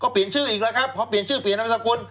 เปลี่ยนชื่ออีกแล้วครับพอเปลี่ยนชื่อเปลี่ยนนามสกุล